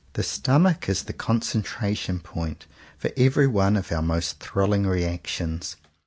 The Stomach is the concentration point for every one of our most thrilling reactions.